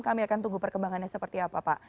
kami akan tunggu perkembangannya seperti apa pak